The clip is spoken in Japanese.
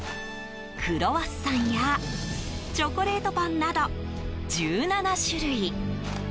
クロワッサンやチョコレートパンなど１７種類。